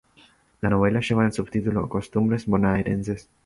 La novela lleva el subtítulo "Costumbres bonaerenses".